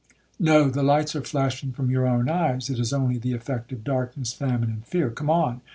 '—'No, the lights are flashing from your own eyes,—it is only the effect of darkness, famine, and fear,—come on.'